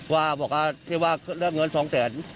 ว่าเรื่องเงิน๒แต่น